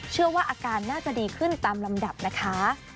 เชื่อว่าอาการน่าจะดีขึ้นตามลำดับนะคะ